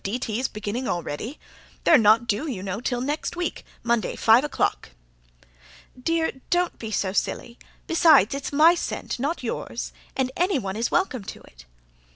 T.'s beginning already? They're not due, you know, till next week, Monday, five o'clock." "Dear, DON'T be so silly. Besides it's my scent, not yours. And anyone is welcome to it."